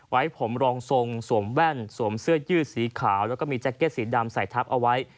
ไว้ผมรองทรงสวมแว่นสวมเสื้อยืดสีขาวแล้วก็มีแจ็คเก็ตสีดำใส่ทับเอาไว้